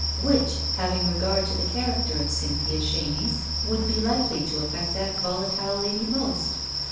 Which, having regard to the character of Cynthia Chenies, would be likely to affect that volatile lady most?